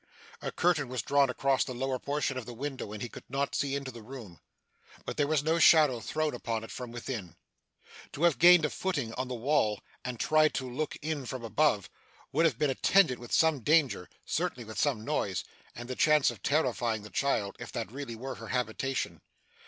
A curtain was drawn across the lower portion of the window, and he could not see into the room. But there was no shadow thrown upon it from within. To have gained a footing on the wall and tried to look in from above, would have been attended with some danger certainly with some noise, and the chance of terrifying the child, if that really were her habitation.